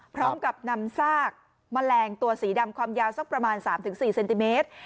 พร้อมกับนำซากแมลงตัวสีดำความยาวสักประมาณ๓๔เซนติเมตร